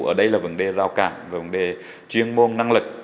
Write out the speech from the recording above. ở đây là vấn đề rào cản vấn đề chuyên môn năng lực